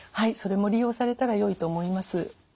いそれも利用されたらよいと思います。